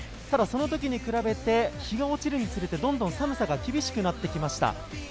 ただ、その時に比べて、日が落ちるにつれて、どんどん寒さが厳しくなってきました。